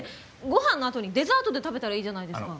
ごはんのあとにデザートで食べたらいいじゃないですか。